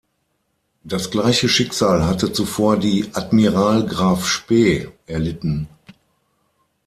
Das gleiche Schicksal hatte zuvor die "Admiral Graf Spee" erlitten.